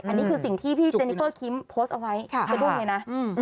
อันนี้คือสิ่งที่พี่เจนิเฟอร์คิมโพสต์เอาไว้สะดุ้งเลยนะ